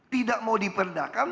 tidak mau diperdakan